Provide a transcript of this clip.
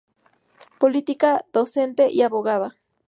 Política, docente y abogada.